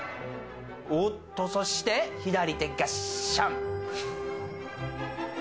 おっと、そして左手ガッシャン。